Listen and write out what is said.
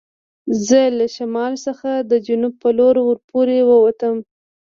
زه له شمال څخه د جنوب په لور ور پورې و وتم.